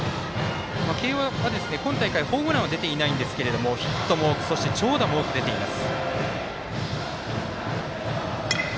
慶応は今大会ホームランは出ていませんがヒットも多く、そして長打も多く出ています。